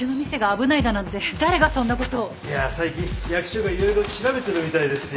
いや最近役所が色々調べてるみたいですし。